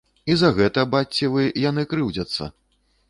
І за гэта, бачце вы, яны крыўдзяцца.